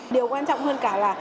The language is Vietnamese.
điều quan trọng hơn cả là